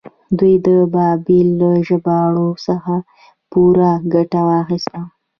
دوی د بایبل له ژباړو څخه پوره ګټه واخیسته.